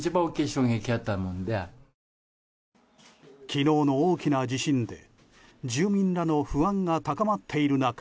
昨日の大きな地震で住民らの不安が高まっている中